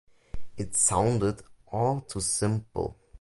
It sounded all too simple.